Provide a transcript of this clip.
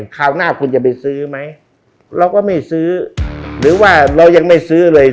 คราวหน้าคุณจะไปซื้อไหมเราก็ไม่ซื้อหรือว่าเรายังไม่ซื้อเลย